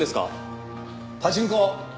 パチンコ！